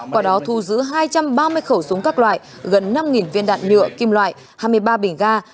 quả đó thu giữ hai trăm ba mươi khẩu súng các loại gần năm viên đạn nhựa kim loại hai mươi ba bình ga